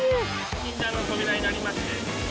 禁断の扉になりまして。